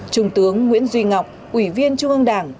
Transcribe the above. trung tướng nguyễn duy ngọc ủy viên trung ương đảng